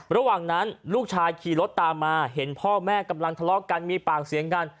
ระหว่างนั้นลูกชายขี่รถตามมาเห็นพ่อแม่กำลังทะเลาะกันมีปากเสียงกัน